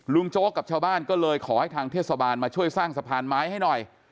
โจ๊กกับชาวบ้านก็เลยขอให้ทางเทศบาลมาช่วยสร้างสะพานไม้ให้หน่อย